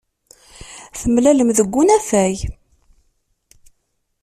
Temlalem deg unafag.